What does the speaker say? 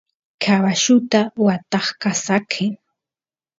caballuta watasqa saqen